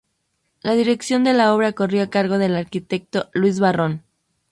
La dirección de la obra corrió a cargo del arquitecto Luis Barrón.